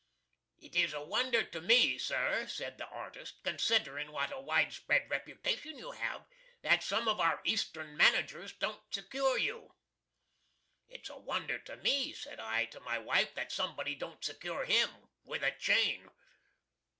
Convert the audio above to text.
"It is a wonder to me, Sir," sed the artist, "considerin what a widespread reputation you have, that some of our Eastern managers don't secure you." "It's a wonder to me," said I to my wife, "that somebody don't secure him with a chain."